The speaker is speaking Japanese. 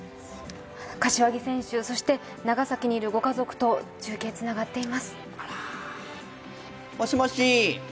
柏木選手、そして長崎にいるご家族と中継がつながっています。